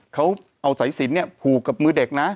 เค้าเอาสายศิลป์พูกกับมือเด็กนะ